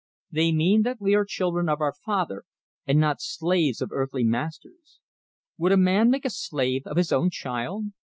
They mean that we are children of our Father, and not slaves of earthly masters. Would a man make a slave of his own child?